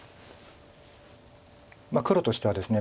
黒としてはですね